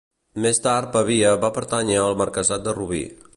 Més tard Pavia va pertànyer al marquesat de Rubí.